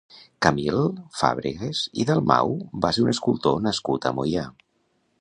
Camil Fàbregas i Dalmau va ser un escultor nascut a Moià.